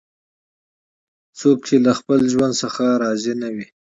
څوک چې له خپل ژوند څخه راضي نه وي